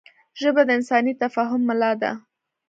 ژبه د انساني تفاهم ملا ده